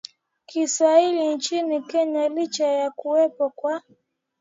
Kiswahili nchini Kenya licha ya kuwepo kwa